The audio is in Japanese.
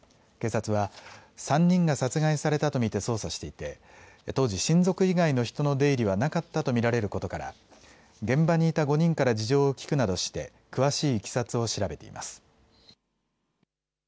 警察は、３人が殺害されたと見て捜査していて当時、親族以外の人の出入りはなかったと見られることから現場にいた５人から事情を聞くなどして詳しいいきさつを調べています。